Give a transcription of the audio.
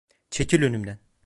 Çekil önümden!